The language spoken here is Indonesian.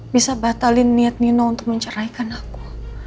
bisa batalin niat nino untuk menceraikan aku